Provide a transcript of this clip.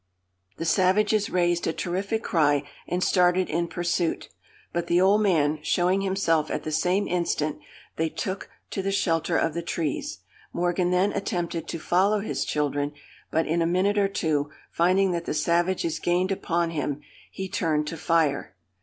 The savages raised a terrific cry, and started in pursuit: but the old man showing himself at the same instant, they took to the shelter of the trees. Morgan then attempted to follow his children; but in a minute or too, finding that the savages gained upon him, he turned to fire.